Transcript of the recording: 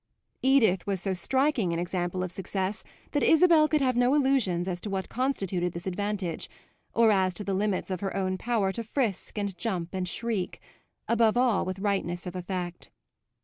Edith was so striking an example of success that Isabel could have no illusions as to what constituted this advantage, or as to the limits of her own power to frisk and jump and shriek above all with rightness of effect.